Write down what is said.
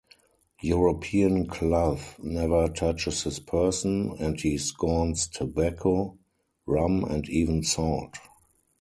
European cloth never touches his person, and he scorns tobacco, rum, and even salt.